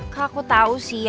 kak aku tau sih